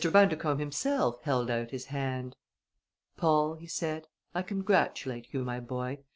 Bundercombe himself held out his hand. "Paul," he said, "I congratulate you, my boy!